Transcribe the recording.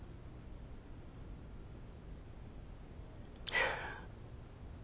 フッ。